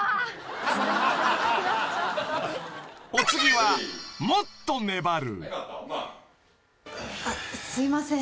［お次はもっと粘る］